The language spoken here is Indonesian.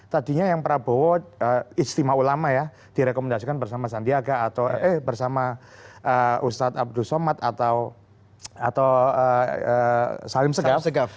tadinya yang prabowo istimewa ulama ya direkomendasikan bersama sandiaga atau eh bersama ustadz abdul somad atau salim segaf